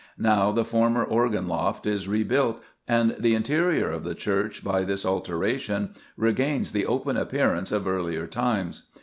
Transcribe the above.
Now the former organ loft is rebuilt and the interior of the church, by this alteration, regains the open appearance of earlier times.